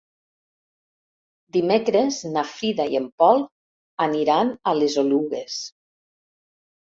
Dimecres na Frida i en Pol aniran a les Oluges.